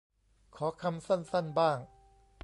ขอคำสั้นสั้นบ้าง